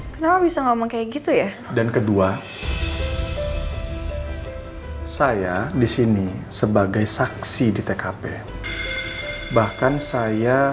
kenapa bisa ngomong kayak gitu ya dan kedua saya disini sebagai saksi di tkp bahkan saya